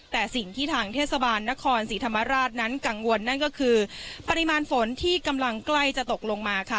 แต่สิ่งที่ทางเทศบาลนครศรีธรรมราชนั้นกังวลนั่นก็คือปริมาณฝนที่กำลังใกล้จะตกลงมาค่ะ